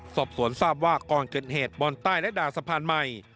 สอบสวนทราบว่าก่อนเกิดเหตุบอลใต้และด่าสะพานใหม่